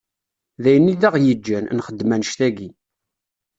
D ayen i d aɣ-yeǧǧan, nxeddem anect-agi.